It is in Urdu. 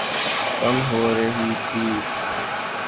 کم ہو رہی تھِی